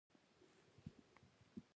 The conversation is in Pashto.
د دې ګډوډۍ اصلي علت تر اوسه معلوم نه دی.